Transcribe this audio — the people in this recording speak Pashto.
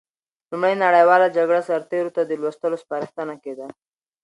لومړۍ نړیواله جګړه سرتېرو ته د لوستلو سپارښتنه کېده.